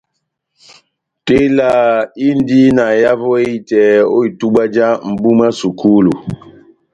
Tela indi na ehavo ehitɛ ó itubwa já mbúh mwá sukulu.